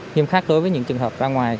nghiêm khắc đối với những trường hợp ra ngoài